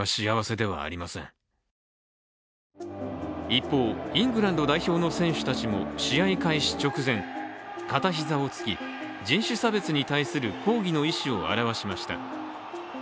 一方、イングランド代表の選手たちも試合開始直前、片膝をつき、人種差別に対する抗議の意志を示しました。